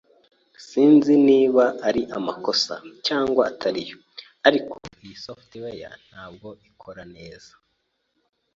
Sinzi niba ari amakosa cyangwa atariyo, ariko iyi software ntabwo ikora neza.